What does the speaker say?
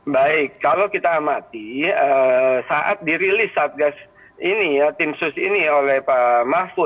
baik kalau kita amati saat dirilis satgas ini ya tim sus ini oleh pak mahfud